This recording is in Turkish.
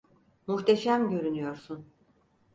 Muhteşem görünüyorsun.